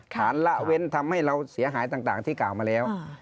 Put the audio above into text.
ละเว้นทำให้เราเสียหายต่างที่กล่าวมาแล้ว